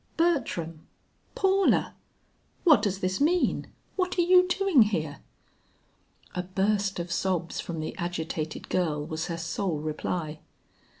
"Bertram! Paula! What does this mean? What are you doing here?" A burst of sobs from the agitated girl was her sole reply.